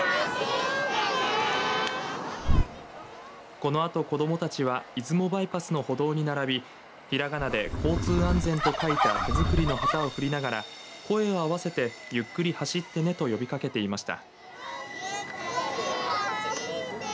このあと、子どもたちは出雲バイパスの歩道に並びひらがなで、こうつうあんぜんと書かれた手作りの旗を振りながら声を合わせてゆっくり走ってねと呼びかけていました。